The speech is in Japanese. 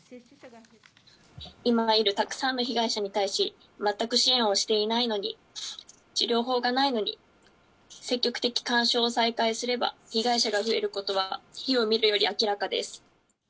今いるたくさんの被害者に対し、全く支援をしていないのに、治療法がないのに、積極的勧奨を再開すれば、被害者が増えることは火を見るより明らかです。